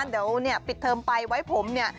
เดี๋ยวเนี่ยปิดเทอมไปไว้ผมเนี่ย